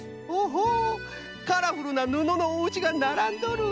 ほほうカラフルなぬののおうちがならんどる！